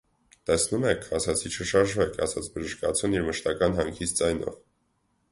- Տեսնում եք, ասացի չշարժվեք,- ասաց բժշկացուն իր մշտական հանգիստ ձայնով: